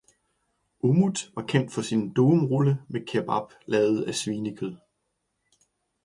Umut var kendt for sin durumrulle med kebab lavet af svinekød